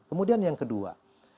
kemudian yang kedua